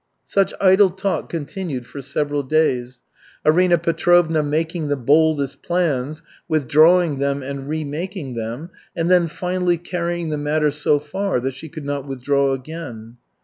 Such idle talk continued for several days, Arina Petrovna making the boldest plans, withdrawing them and remaking them, and then finally carrying the matter so far that she could not withdraw again.